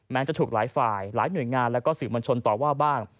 จะถูกหลายฝ่ายหลายหน่วยงานและก็สื่อมวลชนต่อว่าบ้าง